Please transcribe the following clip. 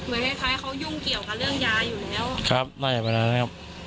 เหมือนค่อยเขายุ่งเกี่ยวกับเรื่องยาอยู่แล้ว